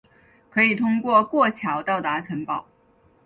可以通过过桥到达城堡。